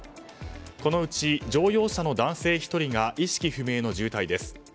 このうち乗用車の男性１人が意識不明の重体です。